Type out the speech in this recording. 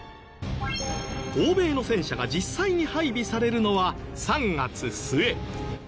欧米の戦車が実際に配備されるのは３月末。